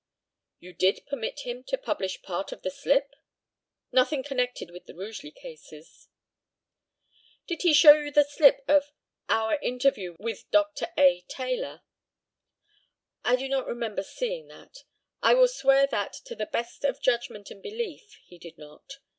You did permit him to publish part of the slip? Nothing connected with the Rugeley cases. Did he show you the slip of "Our interview with Dr. A. Taylor?" I do not remember seeing that. I will swear that, to the best of judgment and belief, he did not.